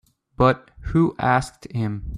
But who asked him?